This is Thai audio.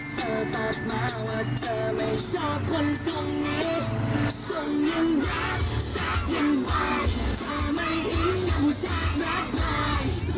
ส่งยังแบบฉันยังไหวฉันไม่ยังสุขแทนแบบไหว